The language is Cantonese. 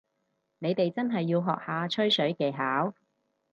你哋真係要學下吹水技巧